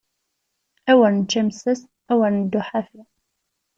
Awer nečč amessas, awer neddu ḥafi!